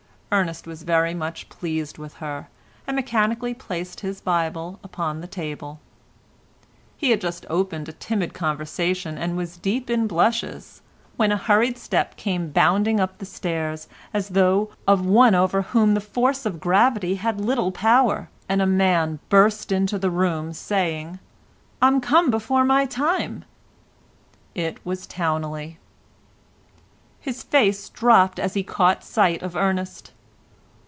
Ernest was very much pleased with her, and mechanically placed his Bible upon the table. He had just opened a timid conversation and was deep in blushes, when a hurried step came bounding up the stairs as though of one over whom the force of gravity had little power, and a man burst into the room saying, "I'm come before my time." It was Towneley. His face dropped as he caught sight of Ernest.